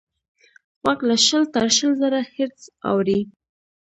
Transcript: غوږ له شل تر شل زره هیرټز اوري.